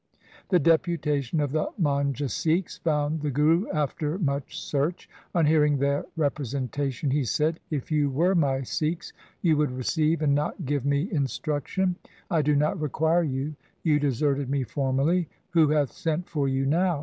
The deputation of the Manjha Sikhs found the Guru after much search. On hearing their repre sentation he said, ' If you were my Sikhs, you would receive and not give me instruction. I do not require you. You deserted me formerly. Who hath sent for you now